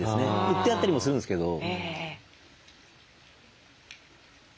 売ってあったりもするんですけど。